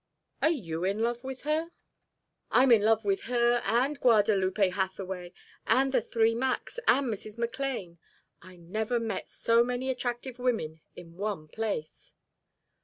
"Are you in love with her?" "I'm in love with her and Guadalupe Hathaway and the 'three Macs' and Mrs. McLane. I never met so many attractive women in one place."